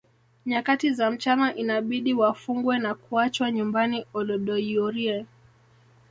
Nyakati za mchana inabidi wafungwe na kuachwa nyumbani Olodoyiorie